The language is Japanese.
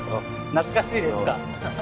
懐かしいですか？